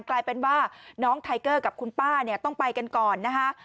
กลายเป็นว่าน้องไทเกอร์กับคุณป้าเนี่ยต้องไปกันก่อนนะคะ